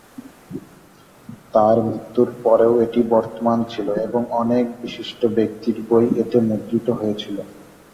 তার মৃত্যুর পরেও এটি বর্তমান ছিল এবং অনেক বিশিষ্ট ব্যক্তির বই এতে মুদ্রিত হয়েছিল।